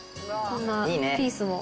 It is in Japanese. こんなピースも。